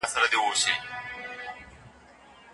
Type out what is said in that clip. د کندهار په بازارونو کي دودیز توکي څنګه پلورل کيږي؟